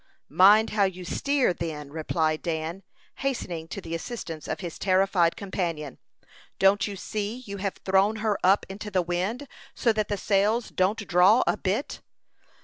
"Mind how you steer, then!" replied Dan, hastening to the assistance of his terrified companion. "Don't you see you have thrown her up into the wind, so that the sails don't draw a bit!"